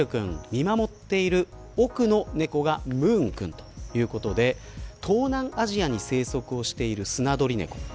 見守っている多くの猫がムーン君ということで東南アジアに生息しているスナドリネコ。